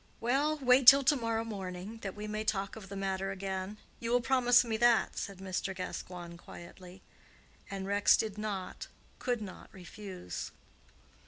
"Well, wait till to morrow morning, that we may talk of the matter again—you will promise me that," said Mr. Gascoigne, quietly; and Rex did not, could not refuse.